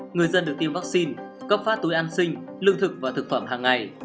người dân được tiêm vaccine cấp phát túi an sinh lương thực và thực phẩm hàng ngày